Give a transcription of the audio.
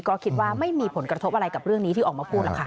ก็คิดว่าไม่มีผลกระทบอะไรกับเรื่องนี้ที่ออกมาพูดหรอกค่ะ